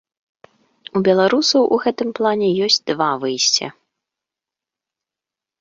У беларусаў у гэтым плане ёсць два выйсця.